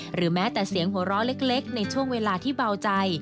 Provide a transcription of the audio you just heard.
หรือแม้แต่เสียงหัวเราะเล็กในช่วงเวลาที่เบาใจ